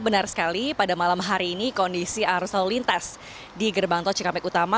benar sekali pada malam hari ini kondisi arus lalu lintas di gerbang tol cikampek utama